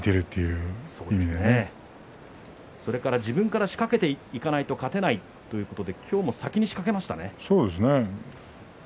それから自分から仕掛けていかないと勝てないということで今日も先に仕掛けましたね。